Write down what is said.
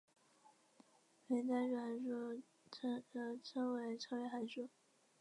非代数函数则称为超越函数。